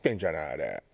あれ。